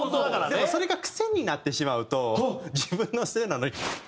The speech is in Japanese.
でもそれが癖になってしまうと自分のせいなのにみたいな。